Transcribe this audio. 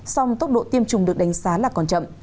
song tốc độ tiêm chủng được đánh giá là còn chậm